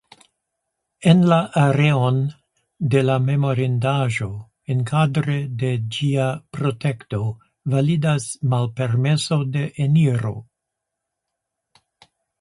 En la areon de la memorindaĵo enkadre de ĝia protekto validas malpermeso de eniro.